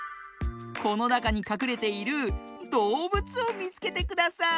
このなかにかくれているどうぶつをみつけてください。